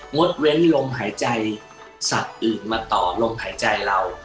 ดเว้นลมหายใจสัตว์อื่นมาต่อลมหายใจเรา